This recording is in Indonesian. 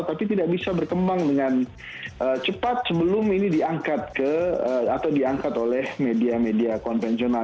tapi tidak bisa berkembang dengan cepat sebelum ini diangkat ke atau diangkat oleh media media konvensional